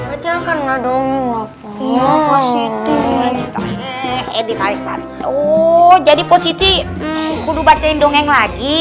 edita edit editan jadi positif gitu bacain dongeng lagi